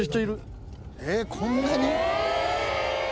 こんなに？